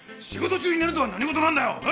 仕事中に寝るとは何事なんだよ！